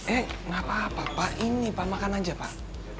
eh gapapa pak ini pak makan aja pak